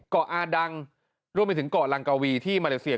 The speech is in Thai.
อาดังรวมไปถึงเกาะลังกวีที่มาเลเซีย